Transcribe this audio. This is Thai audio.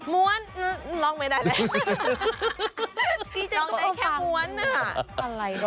ม้วนร้องไม่ได้เลย